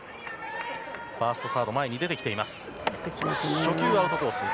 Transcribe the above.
ファースト、サード前に出てきています。